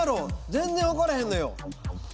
全然分からへんのよ。